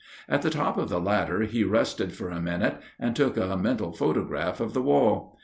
At the top of the ladder he rested for a minute and took a mental photograph of the wall.